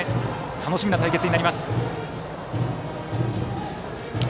楽しみな対決になります。